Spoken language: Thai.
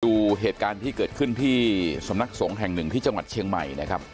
ดูเหตุการณ์ที่เกิดขึ้นที่สำนักสงฆ์แห่งหนึ่งที่จังหวัดเชียงใหม่นะครับ